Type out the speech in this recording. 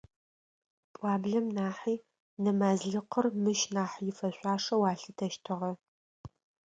Пӏуаблэм нахьи нэмазлыкъыр мыщ нахь ифэшъуашэу алъытэщтыгъэ.